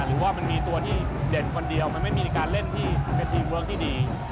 หรือว่ามันมีตัวที่เด่นคนเดียวมันไม่มีการเล่นที่เป็นทีมเวิร์คที่ดี